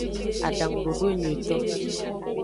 Adangudodo enyuieto.